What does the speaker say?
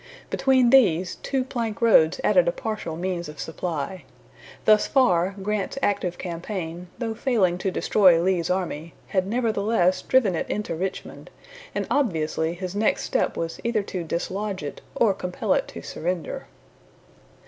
Between these, two plank roads added a partial means of supply. Thus far, Grant's active campaign, though failing to destroy Lee's army, had nevertheless driven it into Richmond, and obviously his next step was either to dislodge it, or compel it to surrender.